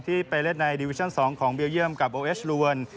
ที่ไปเล่นในดิวิชั่น๒ของเบียลเยี่ยมกับโอเอชรูวัล